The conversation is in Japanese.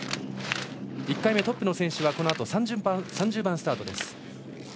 １回目トップの選手は３０番スタートです。